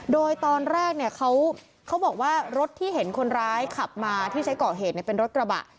โดยตอนแรกเนี่ยเขาบอกว่ารถที่เห็นคนร้ายขับมาที่ใช้ก่อเหตุเป็นรถกระบะ